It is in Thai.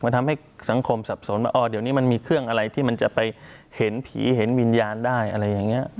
มันทำให้สังคมสับสนว่าอ๋อเดี๋ยวนี้มันมีเครื่องอะไรที่มันจะไปเห็นผีเห็นวิญญาณได้อะไรอย่างนี้